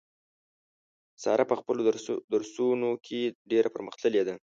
ساره په خپلو درسو نو کې ډېره پر مخ تللې ده.